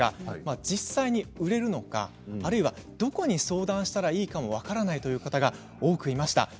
実際に売れるのかどこに相談したらいいかも分からないという方が多くいました。